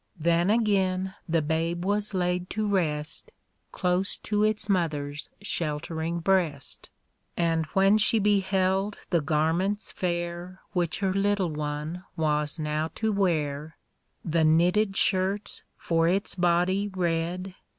Then again the babe was laid to rest Close to its mother's sheltering breast. And when she beheld the garments fair Which her little one was now to wear ‚ÄĒ The knitted shirts for its body red.